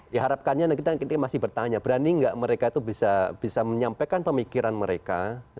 diharapkannya kita masih bertanya berani nggak mereka itu bisa menyampaikan pemikiran mereka